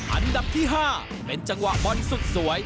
อันดับที่๕เป็นจังหวะบอลสุดสวย